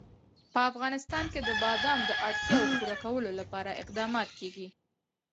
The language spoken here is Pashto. په افغانستان کې د بادام د اړتیاوو پوره کولو لپاره اقدامات کېږي.